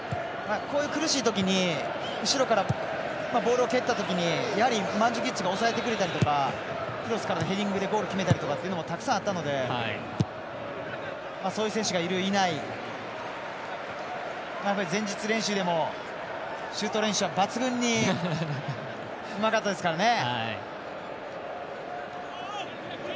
こういう苦しいときに後ろからボールを蹴ったときにやはりマンジュキッチが抑えてくれたりとかクロスからヘディングでゴールを決めたりたくさんあったのでそういう選手がいる、いない前日練習でもシュート練習は抜群にうまかったですからね。